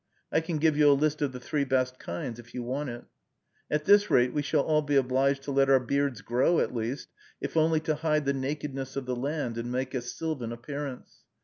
(I can give you a list of the three best kinds, if you want it.) At this rate, we shall all be obliged to let our beards grow at least, if only to hide the nakedness of the land and make a sylvan appearance.